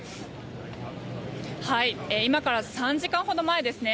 今から３時間ほど前ですね